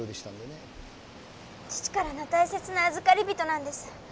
義父からの大切な預かり人なんです。